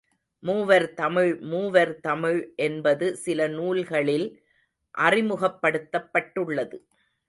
மூவர் தமிழ் மூவர் தமிழ் என்பது சில நூல்களில் அறிமுகப்படுத்தப் பட்டுள்ளது.